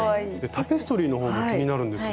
タペストリーの方も気になるんですが。